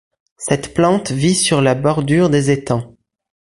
Cette plante vit sur la bordure des étangs.